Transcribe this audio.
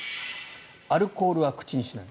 アルコールは口にしない。